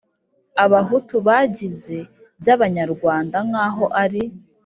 Abahutu, bagize by'Abanyarwanda nk'aho ari